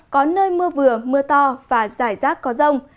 có nơi mưa vừa mưa to và giải rác có rông